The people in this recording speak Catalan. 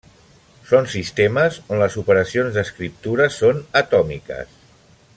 Són sistemes on les operacions d'escriptura són atòmiques.